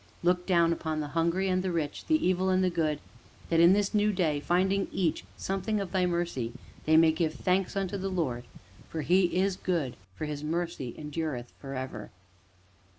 Look down upon the hungry and the rich, the evil and the good, that, in this new day, finding each something of Thy mercy, they may give thanks unto the Lord, for He is good, for His mercy endureth forever."